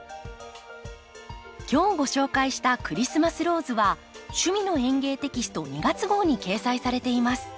今日ご紹介した「クリスマスローズ」は「趣味の園芸」テキスト２月号に掲載されています。